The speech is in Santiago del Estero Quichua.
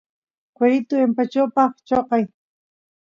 cueritu empachopa choqay